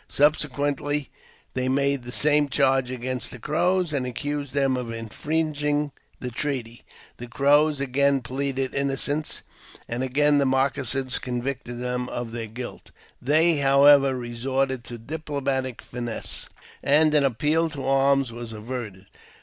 Subsequently they made the same charge against ihe Crows, and accused them of infringing the treaty. The €rows again pleaded innocence, and again the moccasins con victed them of their guilt. They, however, resorted to diplo matic finesse, and an appeal to arms was averted.